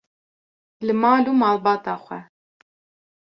li mal û malbata xwe.